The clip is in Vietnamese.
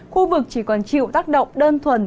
khu vực chỉ còn chịu tác động đơn thuần